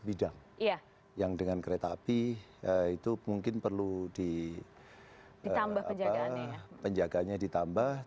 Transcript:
bidang iya yang dengan kereta api itu mungkin perlu ditambah penjagaannya ya penjagaannya ditambah